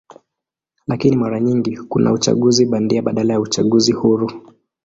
Lakini mara nyingi kuna uchaguzi bandia badala ya uchaguzi huru.